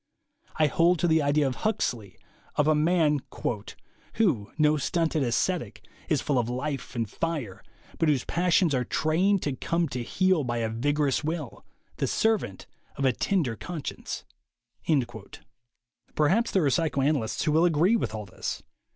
I hold to the ideal of Huxley, of a man "who, no stunted ascetic, is full of life and fire, but whose passions are trained to come to heel by a vigorous will, the servant of a tender conscience." Perhaps there are psychoanalysts who will agree with all this.